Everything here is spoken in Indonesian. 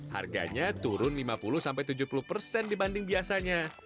harganya turun lima puluh tujuh puluh persen dibanding biasanya